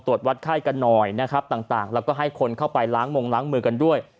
วัดไข้กันหน่อยนะครับต่างแล้วก็ให้คนเข้าไปล้างมงล้างมือกันด้วย